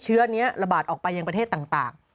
เชื้อนี้ระบาดออกไปยังประเทศต่าง